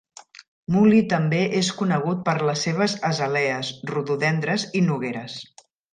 Muli també és conegut per les seves azalees, rododendres i nogueres.